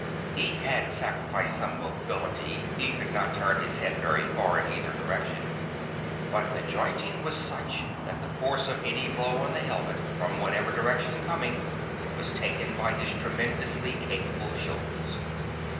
He had sacrificed some mobility he could not turn his head very far in either direction but the jointing was such that the force of any blow on the helmet, from whatever direction coming, was taken by his tremendously capable shoulders.